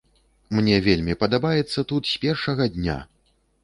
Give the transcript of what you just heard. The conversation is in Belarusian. Мне вельмі падабаецца тут з першага дня.